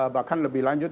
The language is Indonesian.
bahkan lebih lanjut